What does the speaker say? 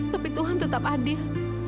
tapi tuhan tetap adil